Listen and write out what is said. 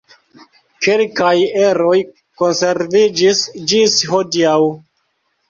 Kelkaj eroj konserviĝis ĝis hodiaŭ.